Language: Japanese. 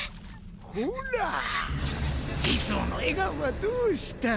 ほぉらいつもの笑顔はどうした？